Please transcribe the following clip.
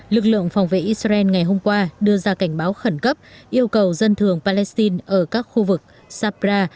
lực lượng phòng vệ israel ngày hôm qua đưa ra cảnh báo khẩn cấp yêu cầu dân thường palestine ở các khu vực sapra